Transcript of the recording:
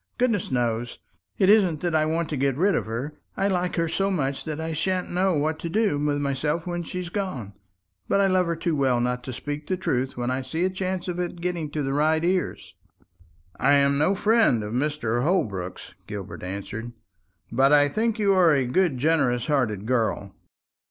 Goodness knows, it isn't that I want to get rid of her. I like her so much that I sha'n't know what to do with myself when she's gone. But I love her too well not to speak the truth when I see a chance of its getting to the right ears." "I am no friend of Mr. Holbrook's," Gilbert answered; "but I think you are a good generous hearted girl."